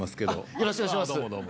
よろしくお願いします。